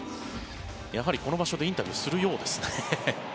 やはり、この場所でインタビューするようですね。